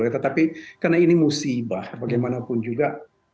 tetapi karena ini musibah bagaimanapun juga